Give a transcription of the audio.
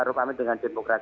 terutama dengan demokrat